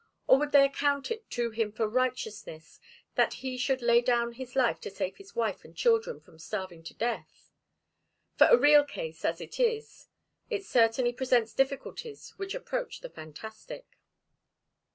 Or would they account it to him for righteousness that he should lay down his life to save his wife and children from starving to death? For a real case, as it is, it certainly presents difficulties which approach the fantastic.